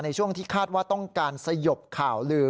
ในช่วงที่คาดว่าต้องการสยบข่าวลือ